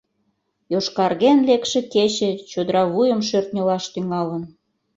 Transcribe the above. Йошкарген лекше кече чодыра вуйым шӧртньылаш тӱҥалын.